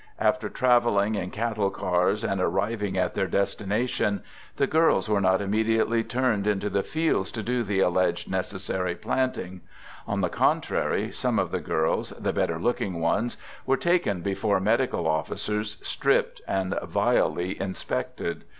After traveling in cattle cars, and arriv 124 Digitized by THE GOOD SOLDIER " 125 ing at their destination, the girls were not immedi ately turned into the fields to do the alleged neces sary planting. On the contrary, some of the girls, the better looking ones, were taken before medical officers, stripped and vilely inspected.